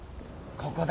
ここだ。